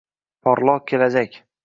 Porloq kelajak.